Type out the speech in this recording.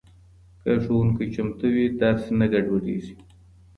که ښوونکی چمتو وي، درس نه ګډوډېږي.